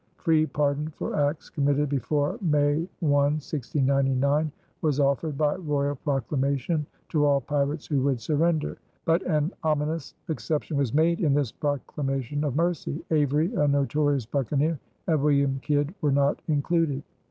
Free pardon for acts committed before May 1, 1699, was offered by royal proclamation to all pirates who would surrender. But an ominous exception was made in this proclamation of mercy: Avery, a notorious buccaneer, and William Kidd were not included.